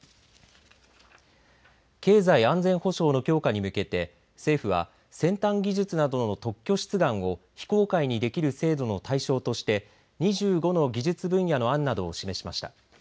経済安全保障の強化に向けて政府は先端技術などの特許出願を非公開できる制度の対象として２５の技術分野の案などを示しました。